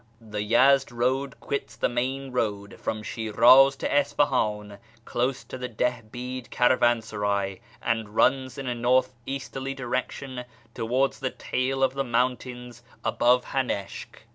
The Yezd road quits the main road from Shiraz to Isfahan close to the Dihbid caravansaray, and runs in a north easterly direction towards the tail of the mountains above Hanishk.